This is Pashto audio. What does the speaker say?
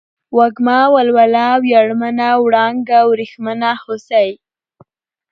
وږمه ، ولوله ، وياړمنه ، وړانگه ، ورېښمينه ، هوسۍ